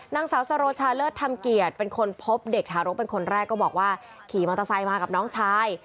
นางสาวสโรชาเลิศธรรมเกียรติเป็นคนพบเด็กทารกเป็นคนแรกก็บอกว่าขี่มอเตอร์ไซค์มากับน้องชาย